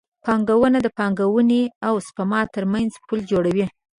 بانکونه د پانګونې او سپما ترمنځ پل جوړوي.